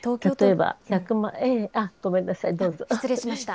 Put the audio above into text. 失礼しました。